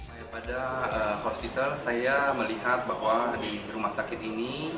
daripada hospital saya melihat bahwa di rumah sakit ini